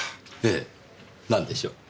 ええなんでしょう？